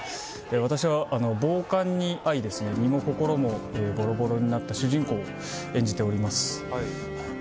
私は暴漢に遭い身も心もボロボロになった主人公を演じております。